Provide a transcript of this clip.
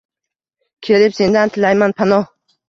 Kelib sendan tilayman panoh